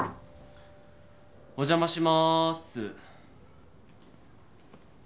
・お邪魔します。